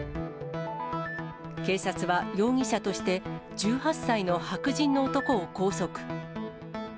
警察は容疑者として、１８歳の白人の男を拘束。